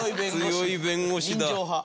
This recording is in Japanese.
強い弁護士だ。